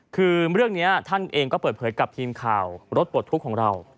คือเรื่องนี้ท่านเองก็เปิดเผยกับทีมข่าวรถปลดทุกข์ของเรา